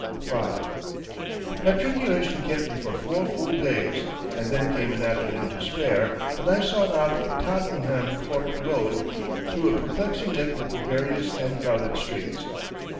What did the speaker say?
V Matriculation kept me for four full days and then came an afternoon to spare, and I sought out Tottenham Court Road through a perplexing network of various and crowded streets.